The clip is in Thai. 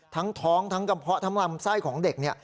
ทั้งท้องทั้งกระเพาะทั้งลำไส้ของเด็ก